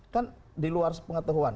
kan di luar pengetahuan